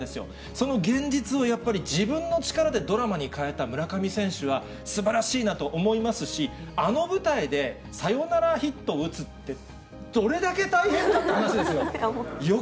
その現実をやっぱり、自分の力でドラマに変えた村上選手は、すばらしいなと思いますし、あの舞台で、サヨナラヒットを打つって、どれだけ大変かって話ですよ。